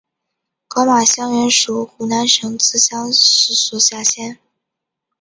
高码乡原属湖南省资兴市所辖乡。